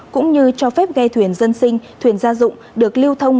cũng như cho phép ghe thuyền dân sinh thuyền gia dụng được lưu thông